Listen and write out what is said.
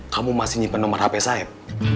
kamu masih nyimpen nomor hp sayap